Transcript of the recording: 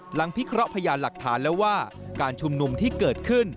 พิเคราะห์พยานหลักฐานแล้วว่าการชุมนุมที่เกิดขึ้น